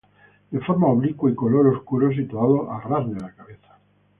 De forma oblicua y color oscuro, situados a ras de la cabeza.